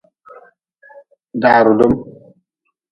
Da rudm.